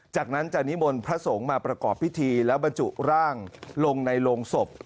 จากนั้นจะนิมนต์พระสงฆ์มาประกอบพิธีแล้วบรรจุร่างลงในโรงศพ